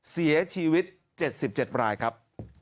เสียชีวิต๗๗รายครับ